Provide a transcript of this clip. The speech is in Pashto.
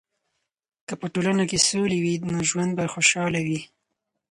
که په ټولنه کې سولې وي، نو ژوند به خوشحاله وي.